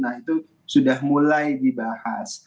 nah itu sudah mulai dibahas